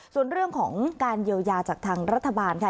ส่วนเรื่องของการเยียวยาจากทางรัฐบาลค่ะ